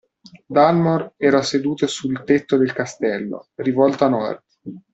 Dalmor era seduto sul tetto del castello, rivolto a nord.